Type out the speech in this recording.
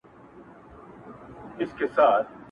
o نړیوال راپورونه پرې زياتيږي,